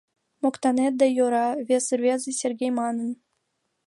Моктанет да йӧра... — вес рвезе, Сергей, манын.